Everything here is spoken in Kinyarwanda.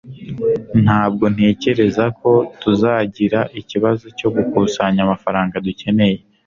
Ntabwo ntekereza ko tuzagira ikibazo cyo gukusanya amafaranga dukeneye